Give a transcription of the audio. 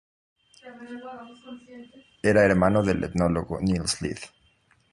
Era hermano del etnólogo Nils Lid.